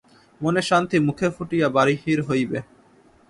মনের শান্তি মুখে ফুটিয়া বাহির হইবে।